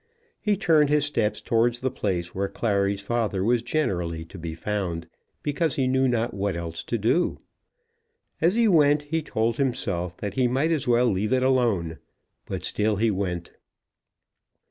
He turned his steps towards the place where Clary's father was generally to be found, because he knew not what else to do. As he went he told himself that he might as well leave it alone; but still he went.